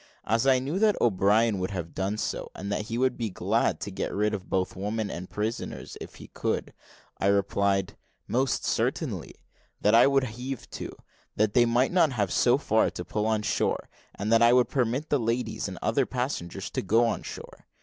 As I knew that O'Brien would have done so, and that he would be glad to get rid of both women and prisoners if he could, I replied, "Most certainly;" that I would heave to, that they might not have so far to pull on shore, and that I would permit the ladies and other passengers to go on shore.